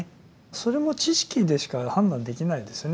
それも知識でしか判断できないですよね。